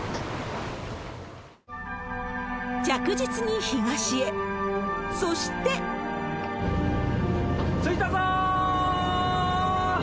着実に東へ、そして。着いたぞー！